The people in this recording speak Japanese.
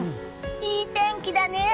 いい天気だね！